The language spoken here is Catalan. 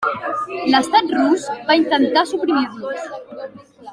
L'Estat rus va intentar suprimir-los.